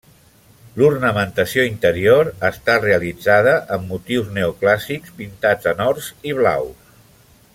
L'ornamentació interior està realitzada amb motius neoclàssics pintats en ors i blaus.